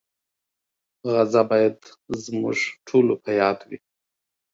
غزه باید زموږ ټولو په یاد وي.